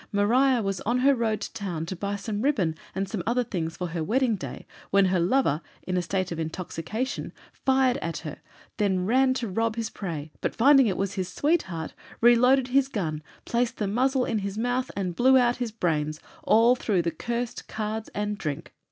Maria was on her road to town to buy some ribbon and other things for her wedding day, when her lover, in a state of intoxication, fired at her, then run to rob his prey, but finding it was his sweetheart, reloaded his Gun, placed the Muzzle to his Mouth, and blew out his Brains, all through the cursed Cards and Drink.